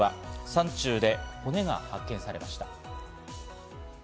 山中で骨が発見されました。